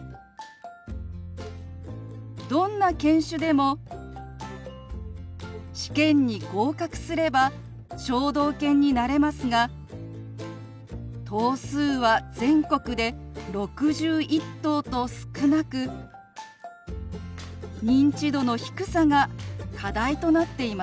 どんな犬種でも試験に合格すれば聴導犬になれますが頭数は全国で６１頭と少なく認知度の低さが課題となっています。